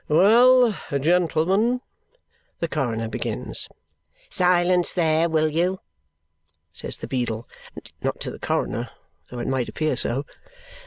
"Well, gentlemen " the coroner begins. "Silence there, will you!" says the beadle. Not to the coroner, though it might appear so.